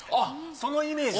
そのイメージで。